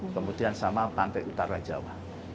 kemudian sama pantai utara jawa